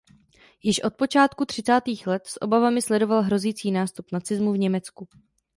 Již od počátku třicátých let s obavami sledoval hrozící nástup nacismu v Německu.